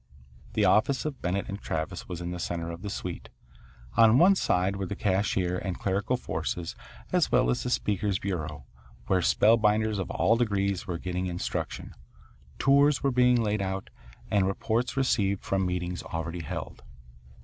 The office of Bennett and Travis was in the centre of the suite. On one side were the cashier and clerical force as well as the speakers' bureau, where spellbinders of all degrees were getting=20 instruction, tours were being laid out, and reports received from meetings already held.